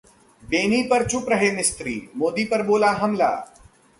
बेनी पर चुप रहे मिस्त्री, मोदी पर बोला हमला